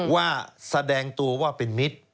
ว่าแสดงตัวว่าเป็นมิตร